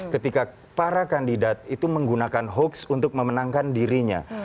ketika para kandidat itu menggunakan hoax untuk memenangkan dirinya